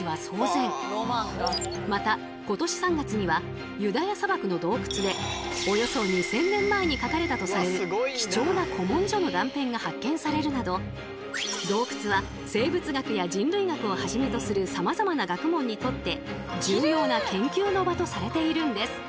また今年３月にはユダヤ砂漠の洞窟でおよそ２，０００年前に書かれたとされる貴重な古文書の断片が発見されるなど洞窟は生物学や人類学をはじめとするさまざまな学問にとって重要な研究の場とされているんです。